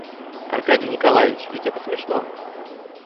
Аркадий Николаич, ведь это смешно?